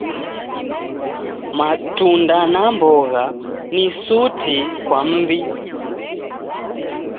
Matunda na mbogha ni suti kwa mmbi